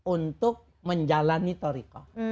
untuk menjalani tarikat